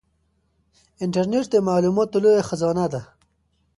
انټرنیټ د معلوماتو لویه خزانه ده.